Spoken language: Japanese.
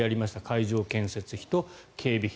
会場建設費と警備費。